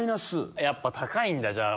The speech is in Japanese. やっぱ高いんだじゃあ。